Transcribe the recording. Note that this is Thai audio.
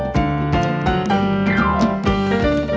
สวัสดีครับ